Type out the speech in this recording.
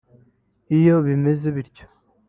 Iyo bimeze bitya